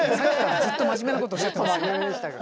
ずっと真面目なことおっしゃってますよ。